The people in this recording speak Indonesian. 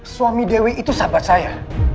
suami dewi itu sahabat saya